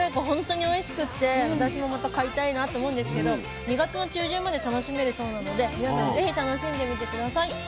本当においしくて私もまた買いたいなと思うんですけど２月の中旬まで楽しめるそうなので皆さん是非楽しんでみて下さい。